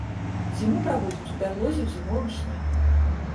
Зіму праводзіць у бярлозе ў зімовым сне.